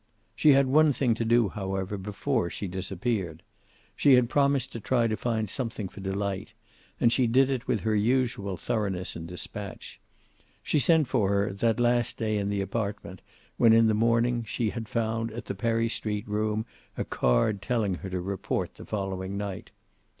She had one thing to do, however, before she disappeared. She had promised to try to find something for Delight, and she did it with her usual thoroughness and dispatch. She sent for her that last day in the apartment, when in the morning she had found at the Perry Street room a card telling her to report the following night.